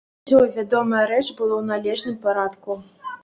Усё, вядомая рэч, было ў належным парадку.